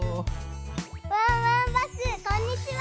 ワンワンバスこんにちは！